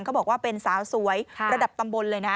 เขาบอกว่าเป็นสาวสวยระดับตำบลเลยนะ